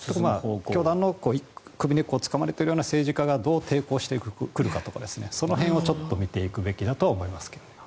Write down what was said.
教団に首根っこをつかまれているような政治家がどう抵抗してくるかとかその辺をちょっと見ていくべきだと思います。